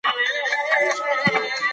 داسې ژوند وکړئ چې خلک مو یاد کړي.